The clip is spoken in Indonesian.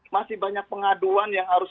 masih banyak pengaduan yang harus